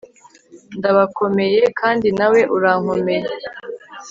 Ndabakomeye kandi nawe urankomeye